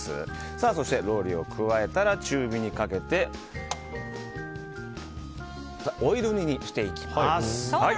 そして、ローリエを加えたら中火にかけてオイル煮にしていきます。